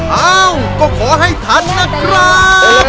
เอ้าก็ขอให้ทันนะครับ